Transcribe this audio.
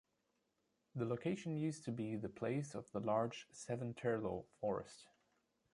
The location used to be the place of the large Saventerlo Forest.